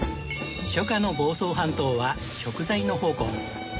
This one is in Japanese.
初夏の房総半島は食材の宝庫